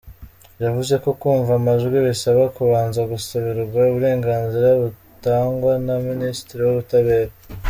Yavuze ko kumva amajwi bisaba kubanza gusabirwa uburenganzira butangwa na ministre w’ubutabera.